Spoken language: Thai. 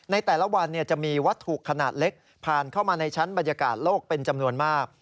ในแต่ละวันจะมีวัตถุขนาดเล็กผ่านเข้ามาในชั้นบรรยากาศโลกเป็นจำนวนมาก